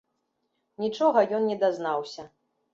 Нічога ён не дазнаўся.